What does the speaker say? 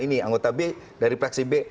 ini anggota b dari fraksi b